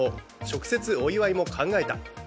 直接お祝いも考えた。